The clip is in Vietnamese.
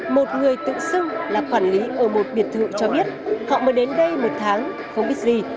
một người tự xưng là quản lý ở một biệt thự cho biết họ mới đến đây một tháng không biết gì